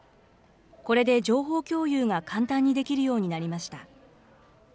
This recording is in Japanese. これで情報共有が簡単にできるようになりました。